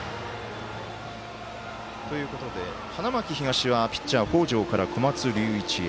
花巻東はピッチャー北條から小松龍一へ。